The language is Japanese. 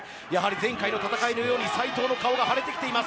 前回の戦いのように斎藤の顔がはれてきています。